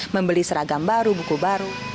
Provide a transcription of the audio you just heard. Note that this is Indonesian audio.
membeli seragam baru buku baru